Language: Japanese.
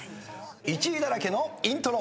１位だらけのイントロ。